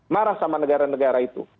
marah sama negara negara itu